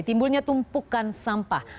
timbulnya tumpukan sampah